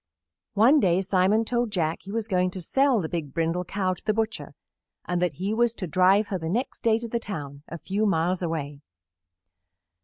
One day Simon told Jack he was going to sell the big Brindle Cow to the butcher and that he was to drive her the next day to the town, a few miles away.